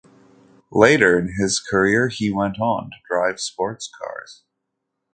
Later in his career he went on to drive sports cars.